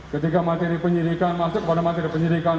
ketika materi penyidikan masuk pada materi penyidikan